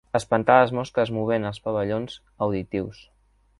Espantar les mosques movent els pavellons auditius.